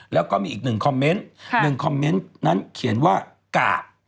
แล้วก็มีอีกหนึ่งคอมเมนต์๑คอมเมนต์นั้นเขียนว่ากาด